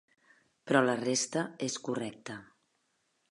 Però la resta és correcta.